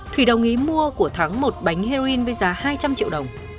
thủy đồng ý mua của thắng một bánh heroin với giá hai trăm linh triệu đồng